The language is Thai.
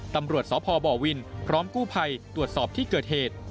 ตำรวจสพบวินพร้อมกู้ภัยตรวจสอบที่เกิดเหตุ